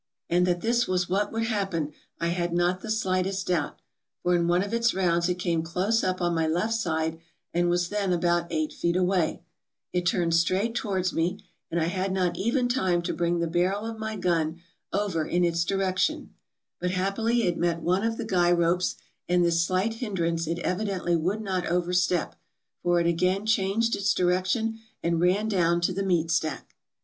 " And that this was what would happen I had not the slightest doubt, for in one of its rounds it came close up on my left side, and was then about eight feet away. It turned straight towards 486 TRAVELERS AND EXPLORERS me, and I had not even time to bring the barrel of my gun over in its direction. But happily it met one of the guy ropes, and this slight hindrance it evidently would not overstep, for it again changed its direction and ran down to the meat stack.